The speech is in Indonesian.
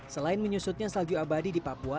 selain menyusutnya salju abadi di papua